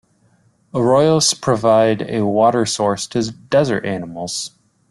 Arroyos provide a water source to desert animals.